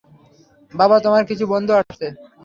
বাবা, তোমার কিছু বন্ধু আসছে।